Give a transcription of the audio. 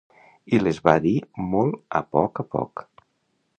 I les va dir molt a poc a poc.